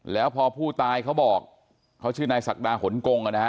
แล้วพอผู้ตายเขาบอกเขาชื่อนายศักดาหนกงนะฮะ